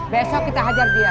besok kita ajak ya